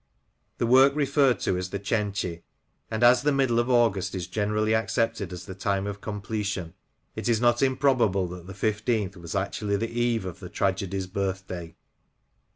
The work referred to is The Cenci\ and, as the middle of August is generally accepted as the time of comple tion, it is not improbable that the 15th was actually the eve of the tragedy's birthday.